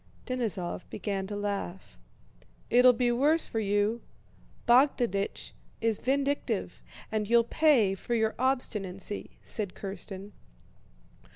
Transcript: Denísov began to laugh. "It'll be worse for you. Bogdánich is vindictive and you'll pay for your obstinacy," said Kírsten.